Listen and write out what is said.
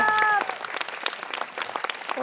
จะดีเท่าเธอ